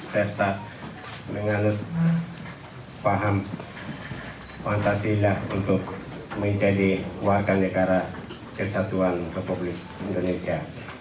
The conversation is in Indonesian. serta menganut paham pancasila untuk menjadi warga negara kesatuan republik indonesia